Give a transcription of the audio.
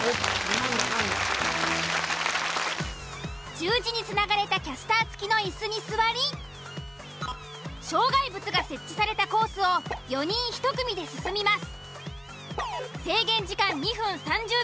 十字につながれたキャスター付きのいすに座り障害物が設置されたコースを４人１組で進みます。